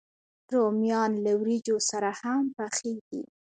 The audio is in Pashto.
رومیان له وریجو سره هم پخېږي